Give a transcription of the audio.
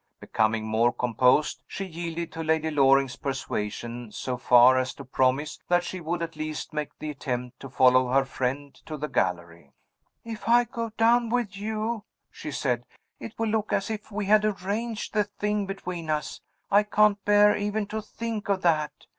Becoming more composed, she yielded to Lady Loring's persuasion so far as to promise that she would at least make the attempt to follow her friend to the gallery. "If I go down with you," she said, "it will look as if we had arranged the thing between us. I can't bear even to think of that.